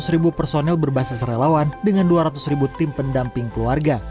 seratus ribu personel berbasis relawan dengan dua ratus ribu tim pendamping keluarga